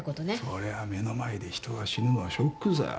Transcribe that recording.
そりゃ目の前で人が死ぬのはショックさ。